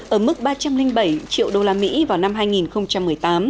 ở mức ba trăm linh bảy triệu đô la mỹ vào năm hai nghìn một mươi tám